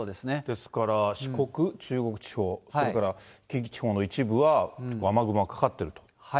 ですから四国、中国地方、それから近畿地方の一部は、雨雲がかかってる。